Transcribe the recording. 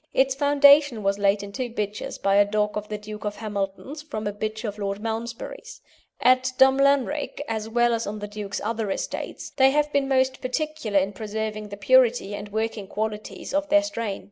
Its foundation was laid in two bitches by a dog of the Duke of Hamilton's from a bitch of Lord Malmesbury's. At Drumlanrig, as well as on the Duke's other estates, they have been most particular in preserving the purity and working qualities of their strain.